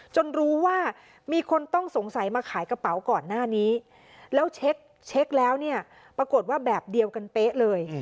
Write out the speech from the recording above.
รู้ว่ามีคนต้องสงสัยมาขายกระเป๋าก่อนหน้านี้แล้วเช็คแล้วเนี่ยปรากฏว่าแบบเดียวกันเป๊ะเลย